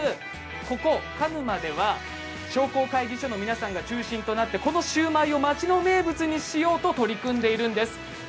ここ鹿沼では商工会議所の皆さんが中心となってこのシューマイを町の名物にしようと取り組んでいるんです。